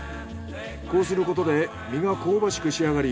こうすることで身が香ばしく仕上がり